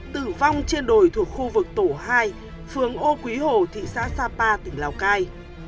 tử vong trên đồi thuộc khu vực tổ hai phường ô quý hồ thị xã sapa tỉnh lào cai